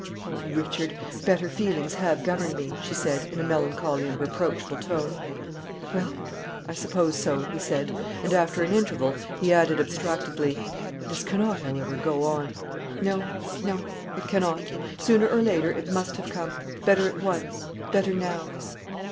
"Oh! Richard, better feelings have governed me," she said, in a melancholy and reproachful tone. "Well, well, I suppose so," he said; and after an interval, he added abstractedly, "This cannot, however, go on; no, no it cannot. Sooner or later it must have come; better at once better now."